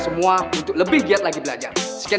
sekian dari papa selamat siang